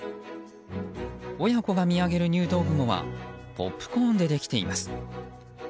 親子が見上げる入道雲はポップコーンでできています。